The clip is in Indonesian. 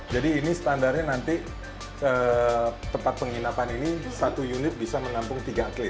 jadi ini standarnya nanti tempat penginapan ini satu unit bisa menampung tiga atlet